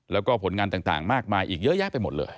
แล้วก็ผลงานต่างมากมายอีกเยอะแยะไปหมดเลย